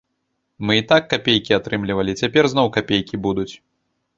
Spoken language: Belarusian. Мы і так капейкі атрымлівалі, цяпер зноў капейкі будуць.